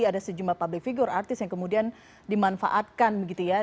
ada sejumlah public figure artis yang kemudian dimanfaatkan begitu ya